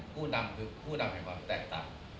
ผู้นำคือผู้นำแห่งความแตกต่าง